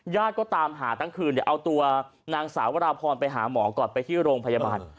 ก็ตามหาทั้งคืนเอาตัวนางสาววราพรไปหาหมอก่อนไปที่โรงพยาบาล